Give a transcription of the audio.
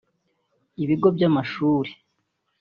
ibigo by’amashuri